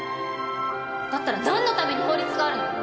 だったら何のために法律があるの？